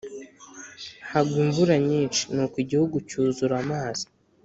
hagwa imvura nyinshi Nuko igihugu cyuzura amazi